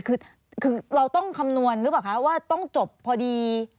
คือเราต้องคำนวณหรือเปล่าคะว่าต้องจบพอดี